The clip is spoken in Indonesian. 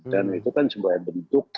dan itu kan sebagai bentuk prestasi